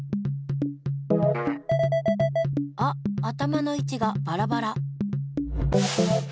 あっ頭のいちがバラバラ。